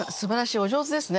お上手ですね。